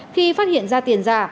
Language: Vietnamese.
khi phát hiện ra tiền giả